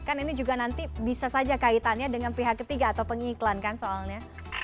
kan ini juga nanti bisa saja kaitannya dengan pihak ketiga atau pengiklan kan soalnya